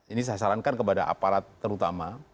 ini saya sarankan kepada aparat terutama